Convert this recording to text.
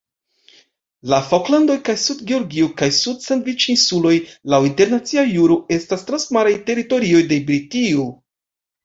La Falklandoj kaj Sud-Georgio kaj Sud-Sandviĉinsuloj laŭ internacia juro estas transmaraj teritorioj de Britio.